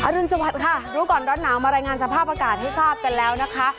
รุนสวัสดิ์ค่ะรู้ก่อนร้อนหนาวมารายงานสภาพอากาศให้ทราบกันแล้วนะคะ